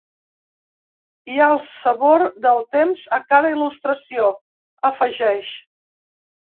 Hi ha el sabor del temps a cada il·lustració, afegeix.